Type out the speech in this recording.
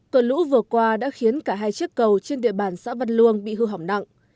cơn lũ vừa qua đã khiến cả hai chiếc cầu trên địa bàn xã văn luông bị hư hỏng nặng